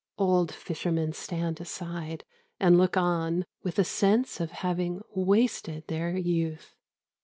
Old fishermen stand aside and look on with a sense of having wasted their youth.